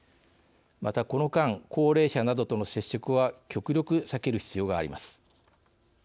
また、この間高齢者などとの接触は極力、避ける必要があります。